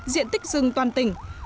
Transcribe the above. diện tích rừng toàn tỉnh